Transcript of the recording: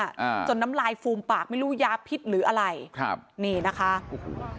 อ่าจนน้ำลายฟูมปากไม่รู้ยาพิษหรืออะไรครับนี่นะคะโอ้โห